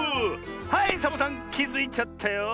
はいサボさんきづいちゃったよ！